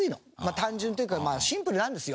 単純というかまあシンプルなんですよ。